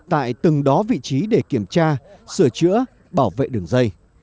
tại từng đó vị trí để kiểm tra sửa chữa bảo vệ đường dây